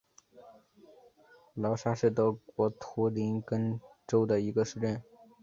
劳沙是德国图林根州的一个市镇。